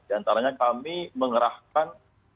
di antaranya kami mengerahkan